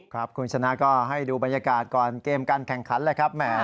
ครับคุณชนะก็ให้ดูบรรยากาศก่อนเกมการแข่งขันแหละครับ